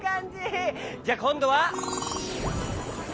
じゃあこんどは。